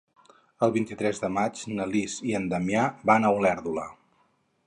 El vint-i-tres de maig na Lis i en Damià van a Olèrdola.